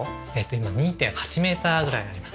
今２．８メーターぐらいあります。